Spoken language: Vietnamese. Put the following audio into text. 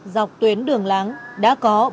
dọc tuyến đường láng đã có